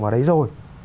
vào đấy rồi